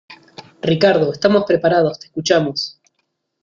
Ricardo, estamos preparados , te escuchamos.